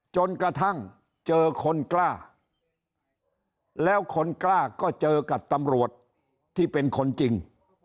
จนกระทั่งเจอคนกล้าแล้วคนกล้าก็เจอกับตำรวจที่เป็นคนจริง